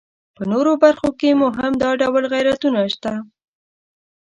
په نورو برخو کې مو هم دا ډول غیرتونه شته.